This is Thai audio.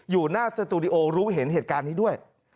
อยู่หน้าสตูดิโอรู้เห็นเหตุการณ์นี้ด้วย